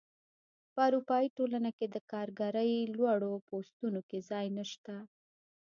په اروپايي ټولنه کې د کارګرۍ لوړو پوستونو کې ځای نشته.